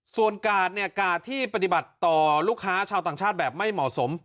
ส่วนกาดเนี่ยกาดที่ปฏิบัติต่อลูกค้าชาวต่างชาติแบบไม่เหมาะสม